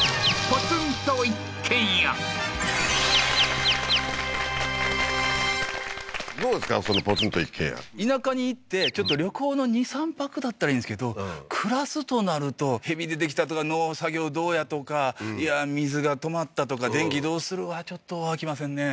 ポツンと一軒家田舎に行ってちょっと旅行の２３泊だったらいいんですけど暮らすとなると蛇出てきたとか農作業どうやとかいや水が止まったとか電気どうするはちょっとあきませんね